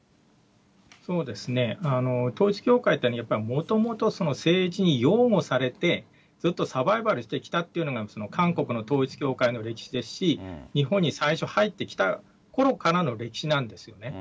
そうですね、統一教会っていうのは、やっぱりもともと政治に擁護されて、ずっとサバイバルしてきたというのが韓国の統一教会の歴史ですし、日本に最初入ってきたころからの歴史なんですよね。